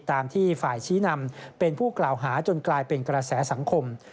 ตามที่ฝ่ายชี้นำเป็นผู้กล่าวหาจนกลายเป็นกระแสสังคม